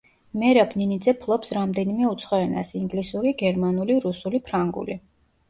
მერაბ ნინიძე ფლობს რამდენიმე უცხო ენას: ინგლისური, გერმანული, რუსული, ფრანგული.